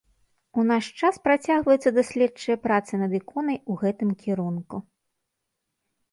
У наш час працягваюцца даследчыя працы над іконай у гэтым кірунку.